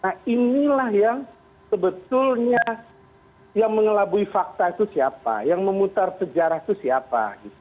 nah inilah yang sebetulnya yang mengelabui fakta itu siapa yang memutar sejarah itu siapa